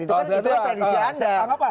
itu kan tradisi anda